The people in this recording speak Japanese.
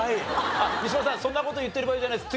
三島さんそんな事言ってる場合じゃないです。